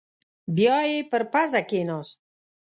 بيايې پر پزه کېناست.